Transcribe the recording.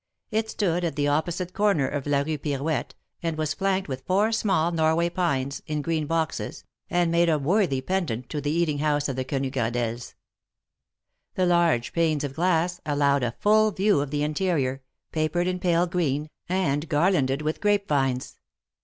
It stood at the opposite corner of la Rue Pirouette, and was flanked with four small Norway pines, in green boxes, and made a worthy pendant to the eating house of the Quenu Gradelles. The large panes of glass allowed a full view of the interior, papered in pale green, and garlanded with grape vines.